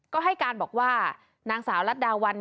ก็ให้การบอกว่านางสาวรัฐดาวัน